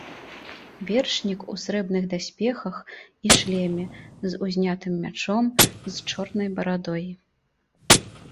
Вершнік у срэбных даспехах і шлеме, з узнятым мячом, з чорнай барадой.